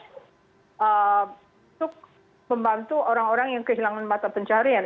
untuk membantu orang orang yang kehilangan mata pencarian